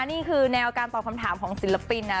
นี่คือแนวการตอบคำถามของศิลปินนะ